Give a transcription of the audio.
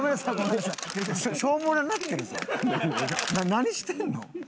何してんの？